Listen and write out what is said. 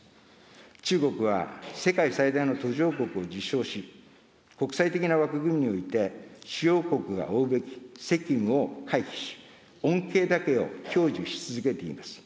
中国は世界最大の途上国を自称し、国際的な枠組みにおいて、主要国が負うべき責務を回避し、恩恵だけを享受し続けています。